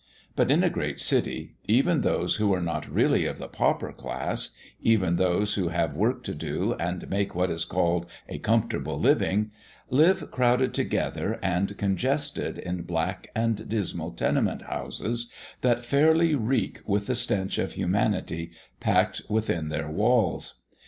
But in a great city, even those who are not really of the pauper class even those who have work to do, and make what is called a comfortable living live crowded together and congested in black and dismal tenement houses that fairly reek with the stench of humanity packed within their walls.